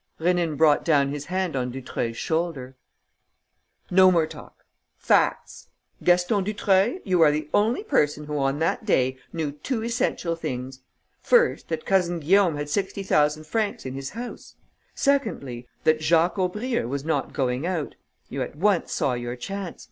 Rénine brought down his hand on Dutreuil's shoulder: "No more talk! Facts! Gaston Dutreuil, you are the only person who on that day knew two essential things: first, that Cousin Guillaume had sixty thousand francs in his house; secondly, that Jacques Aubrieux was not going out. You at once saw your chance.